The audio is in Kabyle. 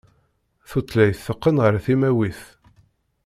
Tutlayt teqqen ar timawit.